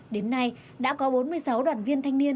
đến nay đã có bốn mươi sáu đoàn viên thanh niên